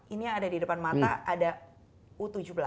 ini yang ada di depan mata ada u tujuh belas